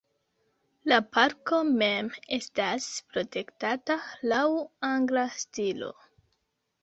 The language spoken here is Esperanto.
La parko mem estas protektata laŭ angla stilo.